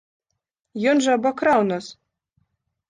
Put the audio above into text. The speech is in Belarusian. Ён жа абакраў нас!